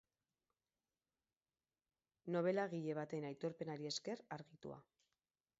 Nobelagile baten aitorpenari esker argitua.